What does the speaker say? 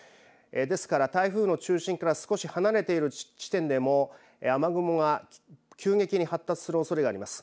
ですから台風の中心から少し離れている地点でも雨雲が急激に発達するおそれがあります。